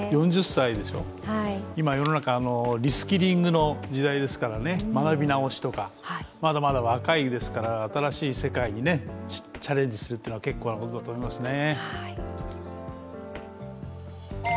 ４０歳でしょ、今、世の中、リスキリングの時代ですから学び直しとかまだまだ若いですから新しい世界にチャレンジするというのは結構なことだと思いますね。